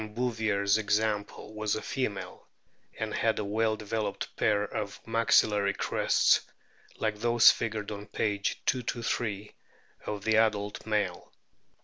Bouvier's example was a female, and had a well developed pair of maxillary crests like those figured on p. 223 of the adult male.